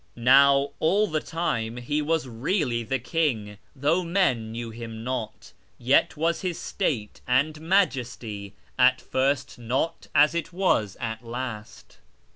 Now, all the time he was really the king, though men knew him not ; yet was his state and majesty at first not as it was at last.